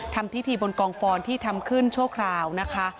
ทำพิธีบนกองฟอนที่ทำขึ้นชั่วคราวนะคะ